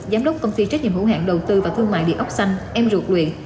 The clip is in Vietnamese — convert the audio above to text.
giám đốc công ty trách nhiệm hữu hạn đầu tư và thương mại địa ốc xanh em ruột lụy